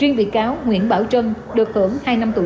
nguyễn bảo trân hai năm tù